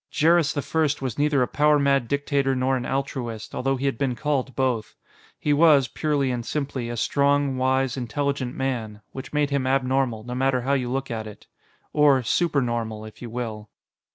Jerris the First was neither a power mad dictator nor an altruist, although he had been called both. He was, purely and simply, a strong, wise, intelligent man which made him abnormal, no matter how you look at it. Or supernormal, if you will.